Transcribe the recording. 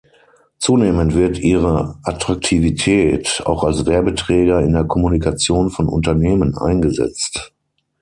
Zunehmend wird ihre Attraktivität auch als Werbeträger in der Kommunikation von Unternehmen eingesetzt.